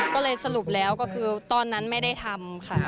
ก็เลยสรุปแล้วก็คือตอนนั้นไม่ได้ทำค่ะ